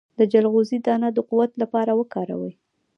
د چلغوزي دانه د قوت لپاره وکاروئ